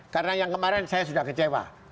karena yang kemarin saya sudah kecewa